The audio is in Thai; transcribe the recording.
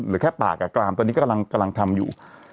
ลดแค่ปากกางบลดกรามครั้งนี้กำลังทำอยู่